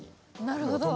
なるほど。